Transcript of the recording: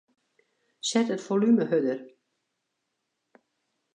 Set it folume hurder.